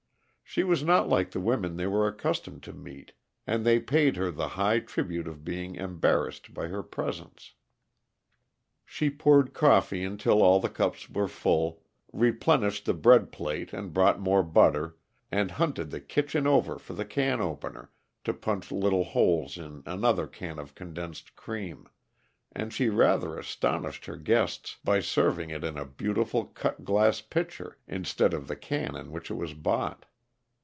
She was not like the women they were accustomed to meet, and they paid her the high tribute of being embarrassed by her presence. She poured coffee until all the cups were full, replenished the bread plate and brought more butter, and hunted the kitchen over for the can opener, to punch little holes in another can of condensed cream; and she rather astonished her guests by serving it in a beautiful cut glass pitcher instead of the can in which it was bought.